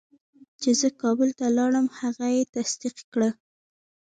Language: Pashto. چې زه کابل ته لاړم هغه یې تصدیق کړه.